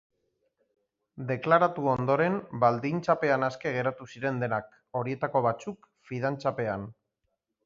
Deklaratu ondoren, baldintzapean aske geratu ziren denak, horietako batzuk, fidantzapean.